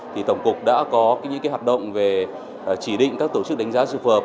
thì tổng cục đã có những hạt động về chỉ định các tổ chức đánh giá sự phợp